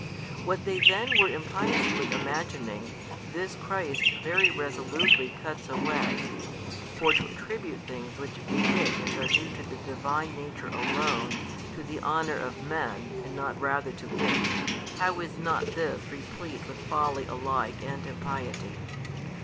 What they then were impiously imagining, this Christ very resolutely cuts away (for to attribute things which befit and are due to the Divine Nature Alone, to the honour of men and not rather to It, how is not this replete with folly alike and impiety?)